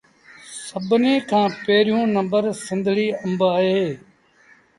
سڀنيٚ کآݩ پيريوݩ نمبر سنڌڙيٚ آݩب اهي